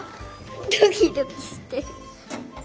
ドキドキしてる。